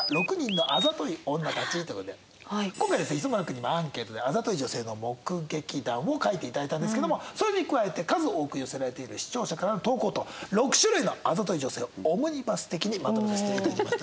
今回ですね磯村君にもアンケートであざとい女性の目撃談を書いて頂いたんですけどもそれに加えて数多く寄せられている視聴者からの投稿と６種類のあざとい女性をオムニバス的にまとめさせて頂きました。